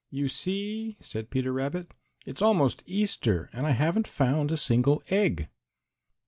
"You see," said Peter Rabbit, "it's almost Easter and I haven't found a single egg."